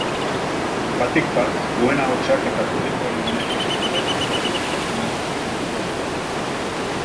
Batik bat, duen ahotsak eta publikoarengana iristeko erakutsitako gaitasunak egiten dute ezberdin.